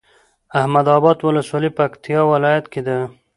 احمداباد ولسوالي پکتيا ولايت کي ده